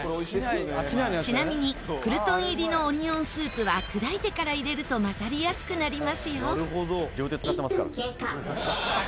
ちなみにクルトン入りのオニオンスープは砕いてから入れると混ざりやすくなりますよ